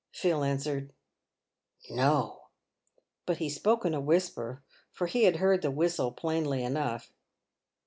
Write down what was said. Phil answered " No ;" but he spoke in a whisper, for he had heard the whistle plainly enough.